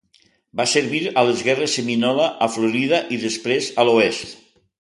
Va servir a les Guerres Seminola a Florida i després a l'Oest.